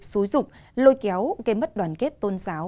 xúi rục lôi kéo gây mất đoàn kết tôn giáo